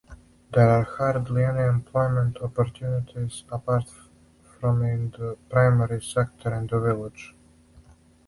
There are hardly any employment opportunities apart from in the primary sector in the village.